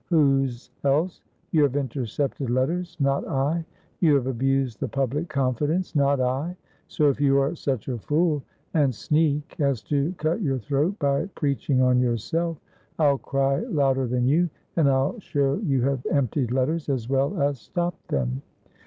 "Whose else? You have intercepted letters not I. You have abused the public confidence not I. So if you are such a fool and sneak as to cut your throat by peaching on yourself, I'll cry louder than you, and I'll show you have emptied letters as well as stopped them.